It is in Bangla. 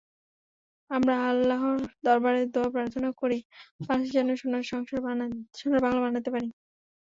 আমরা আল্লাহর দরবারে দোয়া প্রার্থনা করি, বাংলাদেশকে যেন সোনার বাংলা বানাতে পারি।